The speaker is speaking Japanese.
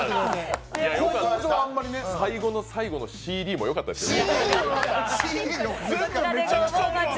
最後の最後のＣＤもよかったよ。